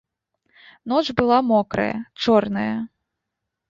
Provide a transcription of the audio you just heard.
Ноч была мокрая, чорная.